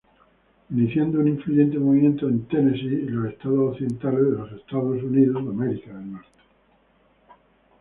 Iniciando un influyente movimiento en Tennessee y los estados occidentales de Estados Unidos.